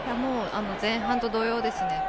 前半と同様ですね。